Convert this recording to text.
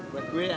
buat gue ya